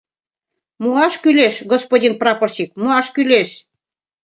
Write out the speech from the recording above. Муаш кӱлеш, господин прапорщик, муаш кӱлеш.